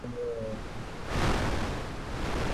mtangazaji anatakiwa kupata maoni kuhusu mifumo mipya